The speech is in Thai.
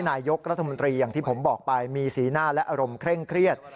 นายกรัฐมนตรีอย่างที่ผมบอกไปมีสีหน้าและอารมณ์เคร่งเครียด